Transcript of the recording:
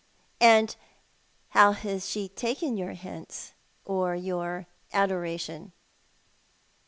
"And how has she taken your hints, or your adoration